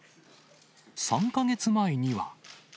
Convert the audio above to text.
３か月前には。